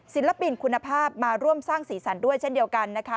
ศิลปินคุณภาพมาร่วมสร้างสีสันด้วยเช่นเดียวกันนะคะ